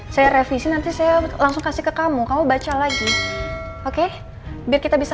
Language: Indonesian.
saya revisi nanti saya langsung kasih ke kamu kamu baca lagi oke biar kita bisa